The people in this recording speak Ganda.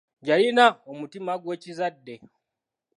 Yalina omutima gw'ekizadde.